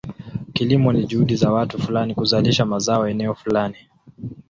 Kilimo ni juhudi za watu fulani kuzalisha mazao eneo fulani.